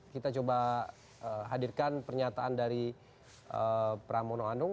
kita coba hadirkan pernyataan dari pramono anung